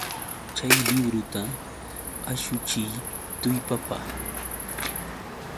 Chay libruta ashuchiy tullpapa!